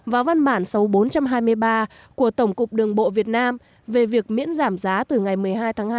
và văn bản số bốn trăm hai mươi ba của tổng cục đường bộ việt nam về việc miễn giảm giá từ ngày một mươi hai tháng hai năm hai nghìn một mươi tám